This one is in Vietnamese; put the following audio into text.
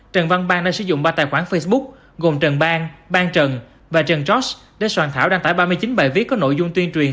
trần văn bang đã sử dụng ba tài khoản facebook gồm trần bang ban trần và trần trót để soạn thảo đăng tải ba mươi chín bài viết có nội dung tuyên truyền